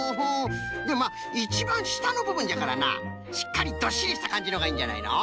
でもまあいちばんしたのぶぶんじゃからなしっかりどっしりしたかんじのほうがいいんじゃないの？